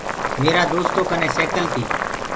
ميرآ دوستو ڪني سيڪل تي۔